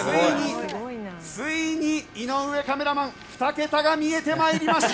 ついに井上カメラマン２桁が見えてまいりました。